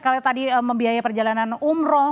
kalau tadi membiayai perjalanan umroh